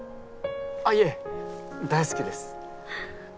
あっいえ大好きです。